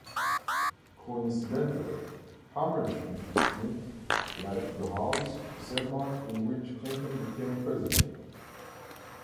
Coincidentally, Hammerschmidt left the House the same month in which Clinton became president.